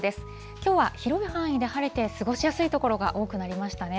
きょうは広い範囲で晴れて、過ごしやすい所が多くなりましたね。